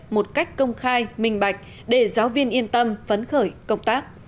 một cách công khai minh bạch để giáo viên yên tâm phấn khởi công tác